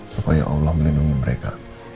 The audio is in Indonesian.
supaya allah melindungi mereka